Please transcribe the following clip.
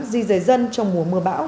di dây dân trong mùa mưa bão